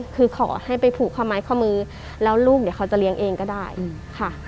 คือขอให้ไปผูกข้อไม้ข้อมือแล้วลูกเดี๋ยวเขาจะเลี้ยงเองก็ได้ค่ะ